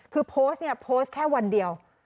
คือโพสต์เนี่ยโพสต์แค่วันเดียว